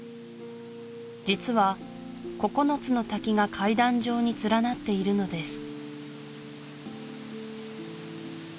実は９つの滝が階段状に連なっているのです